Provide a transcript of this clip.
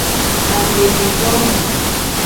Amedibome.